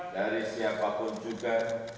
dari siapapun juga